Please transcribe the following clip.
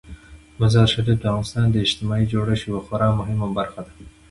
مزارشریف د افغانستان د اجتماعي جوړښت یوه خورا مهمه برخه ده.